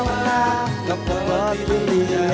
walau satu satunya aku